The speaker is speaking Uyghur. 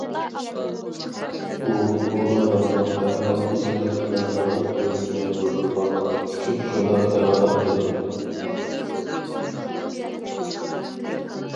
ئۇ بۇ ئايالنىڭ دەرھال ئىجرا قىلىنىدىغان ئۆلۈمگە بۇيرۇلغانلىقى ئۈچۈن شۇنداق دەۋاتاتتى.